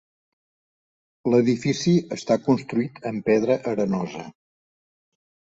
L'edifici està construït en pedra arenosa.